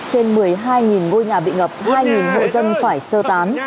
trên một mươi hai ngôi nhà bị ngập hai hộ dân phải sơ tán